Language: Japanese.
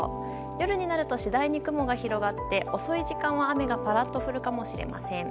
夜になると次第に雲が広がって遅い時間は雨がぱらっと降るかもしれません。